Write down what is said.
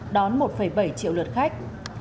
đón một bảy triệu lượt khách